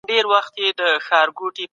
شاه د هر وګړي آزادي مهمه ګڼله.